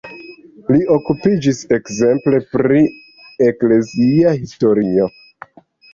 Li okupiĝis ekzemple pri eklezia historio.